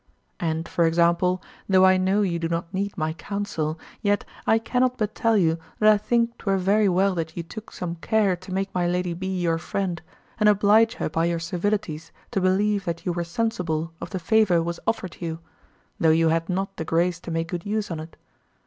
And, for example, though I know you do not need my counsel, yet I cannot but tell you that I think 'twere very well that you took some care to make my Lady B. your friend, and oblige her by your civilities to believe that you were sensible of the favour was offered you, though you had not the grace to make good use on't.